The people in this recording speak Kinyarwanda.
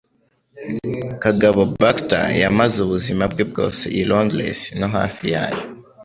Kagabo Baxter yamaze ubuzima bwe bwose i Londres no hafi yayo